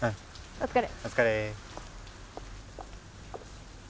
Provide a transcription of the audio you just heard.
お疲れ。